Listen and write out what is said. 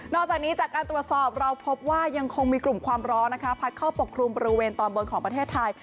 จากนี้จากการตรวจสอบเราพบว่ายังคงมีกลุ่มความร้อนนะคะพัดเข้าปกครุมบริเวณตอนบนของประเทศไทย